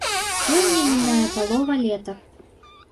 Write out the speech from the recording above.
Сёння мінае палова лета.